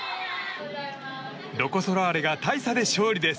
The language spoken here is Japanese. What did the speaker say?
ロコ・ソラーレが大差で勝利です。